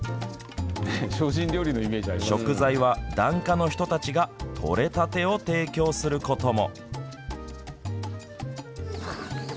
食材は檀家の人たちが採れたてを提供することも。